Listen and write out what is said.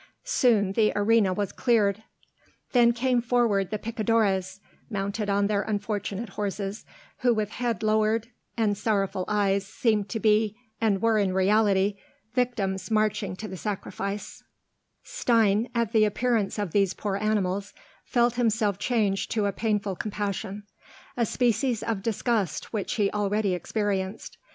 Soon the arena was cleared. Then came forward the picadores, mounted on their unfortunate horses, who with head lowered and sorrowful eyes seemed to be and were in reality victims marching to the sacrifice. [Illustration: THE BULL FIGHT. Photogravure from a painting by Alexander Wagner.] Stein, at the appearance of these poor animals, felt himself change to a painful compassion; a species of disgust which he already experienced.